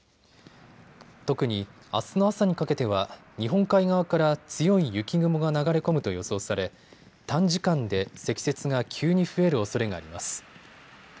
特にあすの朝にかけては日本海側から強い雪雲が流れ込むと予想され短時間で積雪が急に増えるおそれがあります。